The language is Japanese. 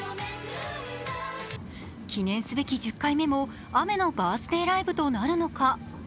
記念すべき１０回目も雨のバースデーライブとなるのか。